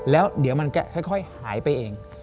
แล้วเดี๋ยวมันจะค่อยหายไปเอง